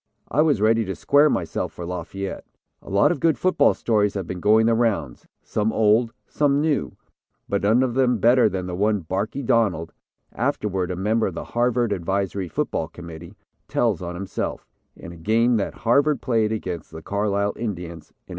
I was ready to square myself for Lafayette." A lot of good football stories have been going the rounds, some old, some new, but none of them better than the one Barkie Donald, afterward a member of the Harvard Advisory Football Committee, tells on himself, in a game that Harvard played against the Carlisle Indians in 1896.